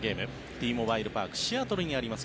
Ｔモバイル・パークシアトルにあります